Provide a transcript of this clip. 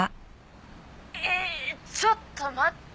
えちょっと待って。